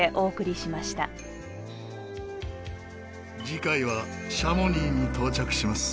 次回はシャモニーに到着します。